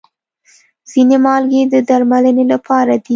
ځینې مالګې د درملنې لپاره دي.